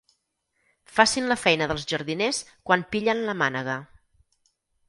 Facin la feina dels jardiners quan pillen la mànega.